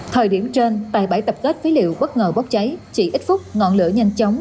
thời điểm trên tại bãi tập kết phế liệu bất ngờ bốc cháy chỉ ít phút ngọn lửa nhanh chóng